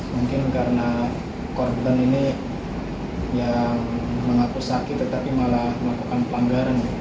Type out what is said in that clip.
mungkin karena korban ini yang mengaku sakit tetapi malah melakukan pelanggaran